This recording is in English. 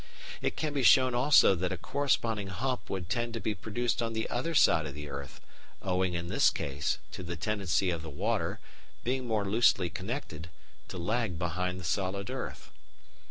It can be shown also that a corresponding hump would tend to be produced on the other side of the earth, owing, in this case, to the tendency of the water, being more loosely connected, to lag behind the solid earth.